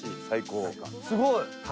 すごい！